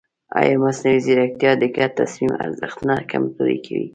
ایا مصنوعي ځیرکتیا د ګډ تصمیم ارزښت نه کمزوری کوي؟